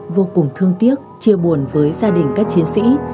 vô cùng thương tiếc chia buồn với gia đình các chiến sĩ